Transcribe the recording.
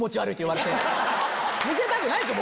見せたくないっすよ